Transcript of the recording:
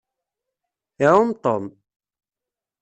Iɛumm Tom.